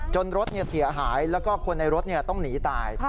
รถเสียหายแล้วก็คนในรถต้องหนีตาย